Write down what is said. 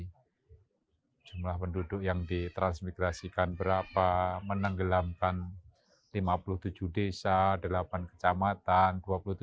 hai jumlah penduduk yang ditransmigrasikan berapa menenggelamkan lima puluh tujuh desa delapan kecamatan